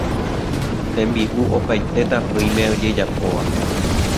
Tembi'u opaite tapỹime ojejapóva